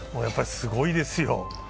すごいですよ。